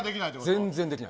全然できない。